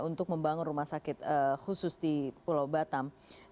untuk membangun rumah sakit khusus di pulau batam